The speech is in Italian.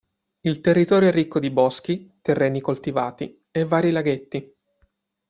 Il territorio è ricco di boschi, terreni coltivati, e vari laghetti.